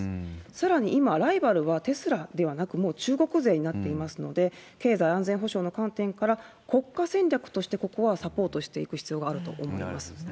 さらに今、ライバルはテスラではなく、もう中国勢になっていますので、経済安全保障の観点から、国家戦略としてここはサポートしていく必要があると思います。